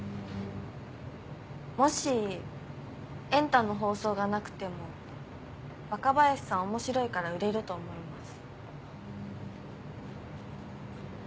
もし『エンタ』の放送がなくても若林さん面白いから売れると思います。